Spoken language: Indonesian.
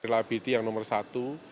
lbt yang nomor satu